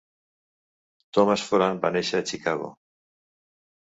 Thomas Foran va néixer a Chicago.